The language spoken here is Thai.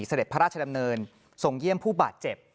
เสด็จพระราชดำเนินทรงเยี่ยมผู้บาดเจ็บ